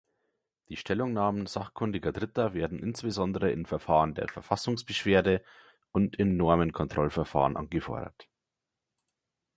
Die Stellungnahmen sachkundiger Dritter werden insbesondere in Verfahren der Verfassungsbeschwerde und in Normenkontrollverfahren angefordert.